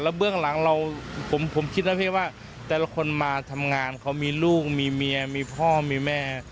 แล้วเบื้องหลังล่ะผมคิดนะคุณพี่แต่ละคนมาทำงานมีลูกมีเหมียว้ามีแม่